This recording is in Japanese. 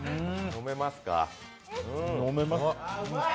飲めますか？